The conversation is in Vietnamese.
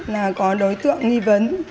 là có đối tượng nghi vấn